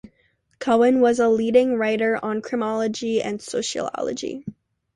Cohen was a leading writer on Criminology and Sociology.